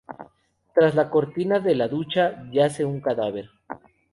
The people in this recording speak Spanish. Tras la cortina de la ducha, yace un cadáver.